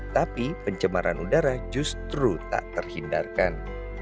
tapi pencemaran udara justru tak terhindarkan